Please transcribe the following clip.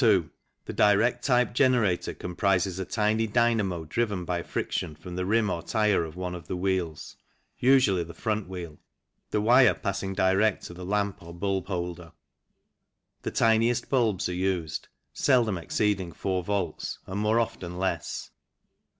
2. The direct type generator comprises a tiny dynamo driven by friction from the rim or tyre of one of the wheels (usually the front wheel), the wire passing direct to the lamp or bulb holder. The tiniest bulbs are used, seldom exceeding 4 volts and more often less.